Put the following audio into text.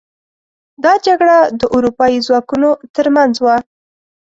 دا جګړه د اروپايي ځواکونو تر منځ وه.